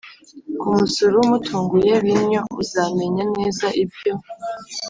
kumusura umutunguye bintyo uzamenya neza ibyo